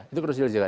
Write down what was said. itu krusial juga